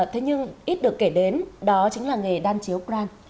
thế nhưng ít được kể đến đó chính là nghề đan chiếu gran